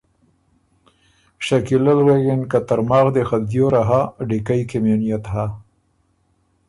شکیله ل غوېکِن که ترماخ دی خه دیوره هۀ، ډیکئ کی ميې نئت هۀ،